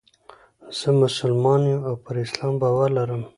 زه مسلمان یم او پر اسلام باور لرم.